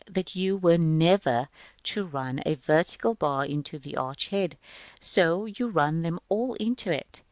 that you were never to run a vertical bar into the arch head; so you run them all into it (as at B, Fig.